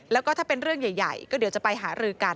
แล้วก็ถ้าเป็นเรื่องใหญ่ก็เดี๋ยวจะไปหารือกัน